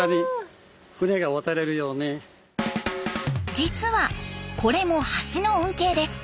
実はこれも橋の恩恵です。